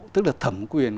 tức là thẩm quyền